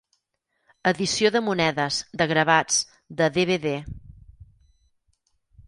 Edició de monedes, de gravats, de DVD.